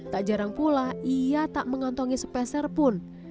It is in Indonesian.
tak jarang pula ia tak mengantongi speserpun